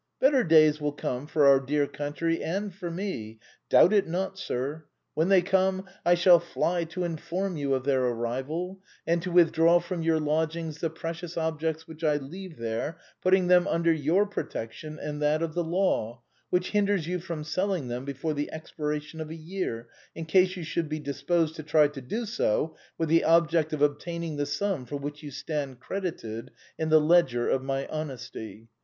Better days will come for our dear country and for me. Doubt it not, sir! When they come, I shall fly to inform you of iheir arrival, and to withdraw from your lodgings the precious objects which I leave there, HOW THE BOHEMIAN CLUB WAS FORMED. II putting them under your protection and that of the law, which hinders you from selling them before the expiration of a year, in case you should be disposed to try to do so with the object of obtaining the sum for which you stand cred ited in the ledger of my honesty.